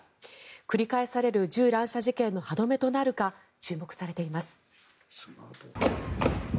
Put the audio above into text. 繰り返される銃乱射事件の歯止めとなるか注目されています。